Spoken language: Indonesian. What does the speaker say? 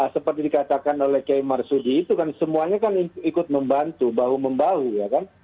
seperti dikatakan oleh kiai marsudi itu kan semuanya kan ikut membantu bahu membahu ya kan